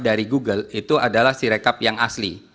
dari google itu adalah sirekap yang asli